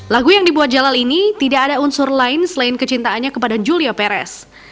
lagu yang dibuat jalal ini tidak ada unsur lain selain kecintaannya kepada julia perez